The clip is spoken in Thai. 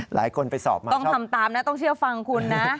ไปสอบมาต้องทำตามนะต้องเชื่อฟังคุณนะ